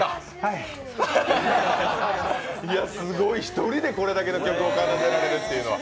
いや、すごい１人でこれだけの曲を奏でるというのは。